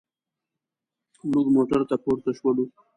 موږ موټر ته پورته شولو.